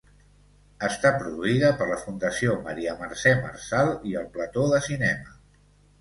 Està produïda per la Fundació Maria-Mercè Marçal i El Plató de Cinema.